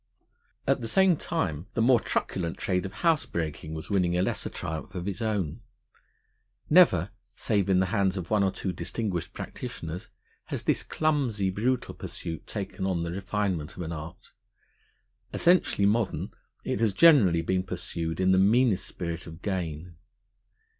At the same time the more truculent trade of housebreaking was winning a lesser triumph of its own. Never, save in the hands of one or two distinguished practitioners, has this clumsy, brutal pursuit taken on the refinement of an art. Essentially modern, it has generally been pursued in the meanest spirit of gain.